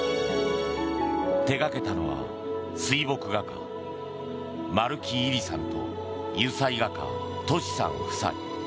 手がけたのは水墨画家・丸木位里さんと油彩画家・俊さん夫妻。